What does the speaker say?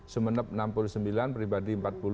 sumeneb rp enam puluh sembilan pribadi rp empat puluh